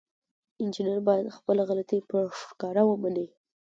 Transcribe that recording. انجینر باید خپله غلطي په ښکاره ومني.